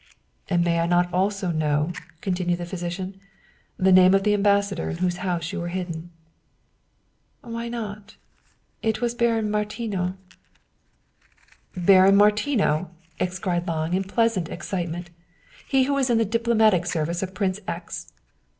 " And may I not also know," continued the physician, " the name of the ambassador in whose house you were hidden? " "Why not? it was Baron Martinow." "Baron Martinow?" cried Lange in pleasant excite ment. " He who was in the diplomatic service of Prince X